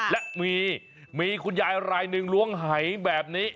และมีคุณยายรายหนึ่งล้วงหายแบบนี้